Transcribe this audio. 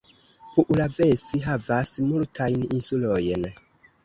Puulavesi havas multajn insulojn.